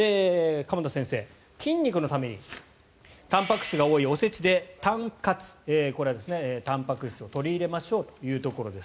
鎌田先生、筋肉のためにたんぱく質が多いおせちでたん活、これはたんぱく質を取り入れましょうというところです。